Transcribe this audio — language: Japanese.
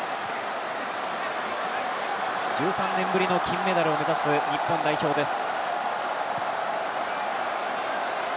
１３年ぶりの金メダルを目指す日本代表です。